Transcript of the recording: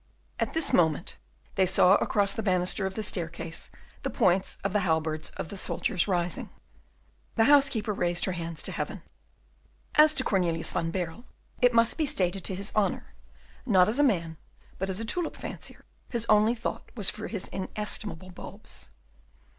At this moment they saw across the banister of the staircase the points of the halberds of the soldiers rising. The housekeeper raised her hands to heaven. As to Cornelius van Baerle, it must be stated to his honour, not as a man, but as a tulip fancier, his only thought was for his inestimable bulbs.